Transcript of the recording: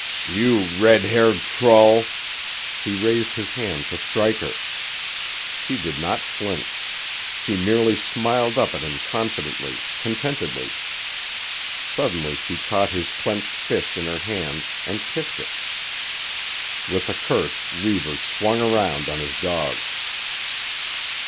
"You red haired trull!" He raised his hand to strike her. She did not flinch; she merely smiled up at him confidently, contentedly. Suddenly she caught his clenched fist in her hands and kissed it. With a curse Reivers swung around on his dogs.